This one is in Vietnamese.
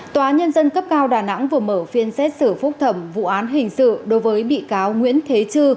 tòa nhân dân cấp cao đà nẵng vừa mở phiên xét xử phúc thẩm vụ án hình sự đối với bị cáo nguyễn thế chư